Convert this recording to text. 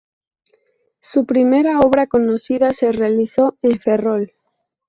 Su primera obra conocida se realizó en Ferrol.